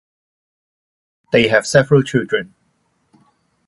They have several children.